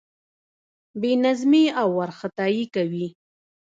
بې نظمي او وارخطايي کوي.